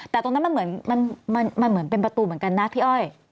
แต่ตรงนั้นมันเหมือนมันเหมือนเป็นประตูเหมือนกันนะพี่อ้อย